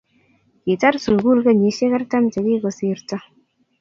Kitar sukul kenyisiek artam che kiko sirto